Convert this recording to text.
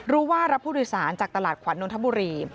รู้ว่ารับผู้โดยสารจากตลาดขวัญนวลธับบุรี